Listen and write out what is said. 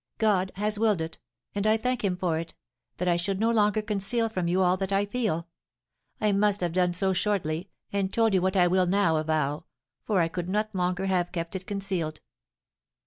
God has willed it, and I thank him for it, that I should no longer conceal from you all that I feel. I must have done so shortly, and told you what I will now avow, for I could not longer have kept it concealed."